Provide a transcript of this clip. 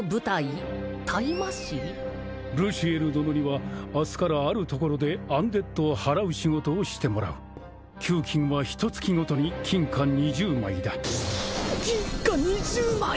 ルシエル殿には明日からあるところでアンデッドをはらう仕事をしてもらう給金はひと月ごとに金貨２０枚だ金貨２０枚！？